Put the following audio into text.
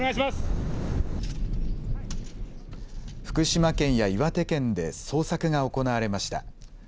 福島県や岩手県で捜索が行われました。